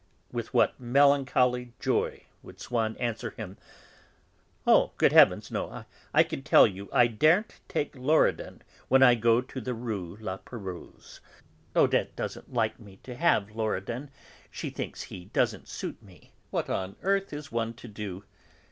with what melancholy joy would Swann answer him: "Oh! Good heavens, no! I can tell you, I daren't take Loredan when I go to the Rue La Pérouse; Odette doesn't like me to have Loredan, she thinks he doesn't suit me. What on earth is one to do?